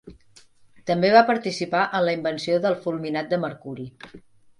També va participar en la invenció del fulminat de mercuri.